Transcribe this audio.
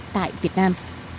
tại việt nam